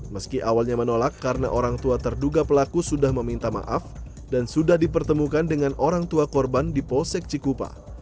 meski awalnya menolak karena orang tua terduga pelaku sudah meminta maaf dan sudah dipertemukan dengan orang tua korban di polsek cikupa